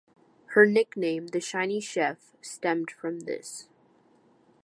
Her nickname, the "Shiny Sheff", stemmed from this.